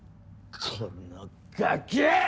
このガキ！